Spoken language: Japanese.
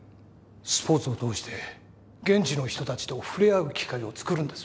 スポーツを通して現地の人たちとふれあう機会を作るんです。